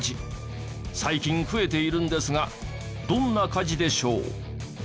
最近増えているんですがどんな火事でしょう？